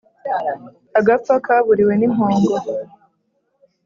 agapfa kaburiwe ni mpongo